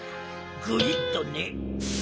グイッとね。